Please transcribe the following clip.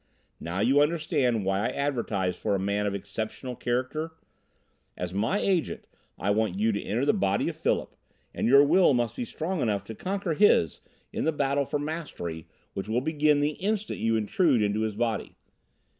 "Now you understand why I advertised for a man of exceptional character? As my Agent, I want you to enter the body of Philip, and your will must be strong enough to conquer his in the battle for mastery which will begin the instant you intrude into his body.